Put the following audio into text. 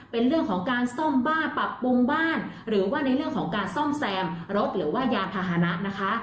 เป็นเรื่องของการซ่อมบ้าปรับปรุงบ้านหรือว่าในเรื่องของการซ่อมแซมรถหรือว่ายานพาหนะนะคะ